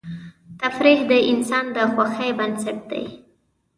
تفریح د انسان د خوښۍ بنسټ دی.